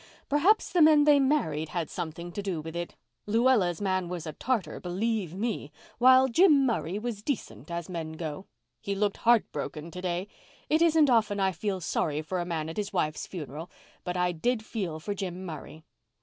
Perhaps the men they married had something to do with it. Luella's man was a Tartar, believe me, while Jim Murray was decent, as men go. He looked heart broken to day. It isn't often I feel sorry for a man at his wife's funeral, but I did feel for Jim Murray."